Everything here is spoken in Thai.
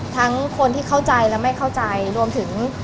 คนที่เข้าใจและไม่เข้าใจรวมถึง